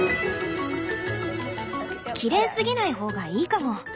きれいすぎない方がいいかも。